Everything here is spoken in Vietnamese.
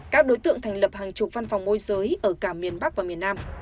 các đối tượng thành lập hàng chục văn phòng môi giới ở cả miền bắc và miền nam